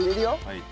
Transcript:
はい。